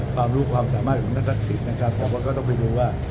ความรู้ความสามารถของท่านศักดิ์สิทธิ์นะครับแต่ว่าก็ต้องไปดูว่า